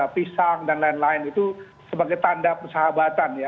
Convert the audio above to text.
pisang dan lain lain itu sebagai tanda persahabatan ya